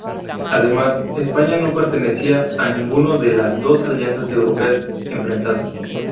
Además, España no pertenecía a ninguno de las dos alianzas europeas enfrentadas.